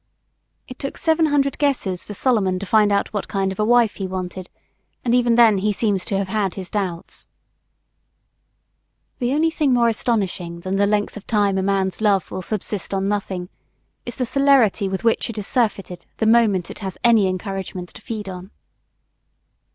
It took seven hundred guesses for Solomon to find out what kind of a wife he wanted; and even then he seems to have had his doubts. The only thing more astonishing than the length of time a man's love will subsist on nothing is the celerity with which it is surfeited the moment it has any encouragement to feed on.